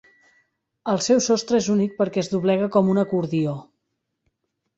El seu sostre és únic perquè es doblega com un acordió.